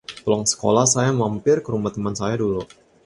Pulang sekolah saya mampir ke rumah teman saya dulu.